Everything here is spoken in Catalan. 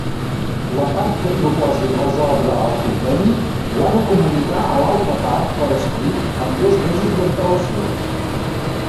La part que proposi resoldre el Conveni ho ha de comunicar a l'altra part per escrit amb dos mesos d'antelació.